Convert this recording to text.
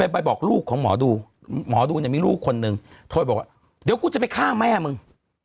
ไปบอกลูกของหมอดูหมอดูเนี่ยมีลูกคนนึงโทรบอกว่าเดี๋ยวกูจะไปฆ่าแม่มึง